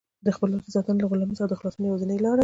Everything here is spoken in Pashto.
د خپلواکۍ ساتنه له غلامۍ څخه د خلاصون یوازینۍ لاره ده.